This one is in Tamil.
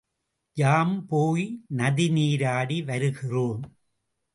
யாம் போய் நதி நீராடி வருகிறோம்.